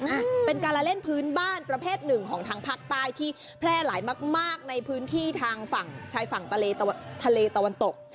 อ่ะเป็นการละเล่นพื้นบ้านประเภทหนึ่งของทางภาคใต้ที่แพร่หลายมากมากในพื้นที่ทางฝั่งชายฝั่งทะเลทะเลตะวันตก